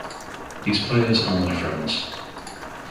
These players are my friends.